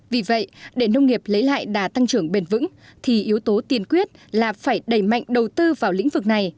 vì vậy để nông nghiệp lấy lại đà tăng trưởng bền vững thì yếu tố tiên quyết là phải đẩy mạnh đầu tư vào lĩnh vực này